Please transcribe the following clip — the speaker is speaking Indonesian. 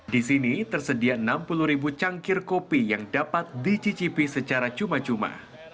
di sini tersedia enam puluh ribu cangkir kopi yang dapat dicicipi secara cuma cuma